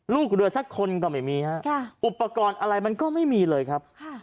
ลูกเรือสักคนก็ไม่มีฮะอุปกรณ์อะไรมันก็ไม่มีเลยครับ